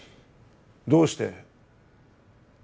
どうして？